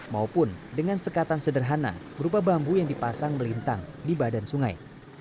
maupun dengan sekatan sederhana berupa bambu yang dipasang melintang di badan sungai